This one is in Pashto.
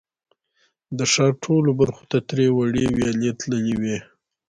د ښار ټولو برخو ته ترې وړې ویالې تللې وې.